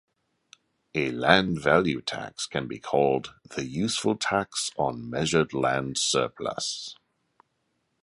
A land value tax can be called 'the useful tax on measured land surplus'.